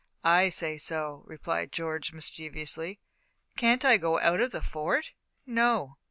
"I say so," replied George, mischievously. "Can't I go out of the Fort?" "No."